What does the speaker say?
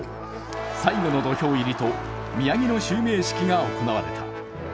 最後の土俵入りと宮城野襲名式が行われた。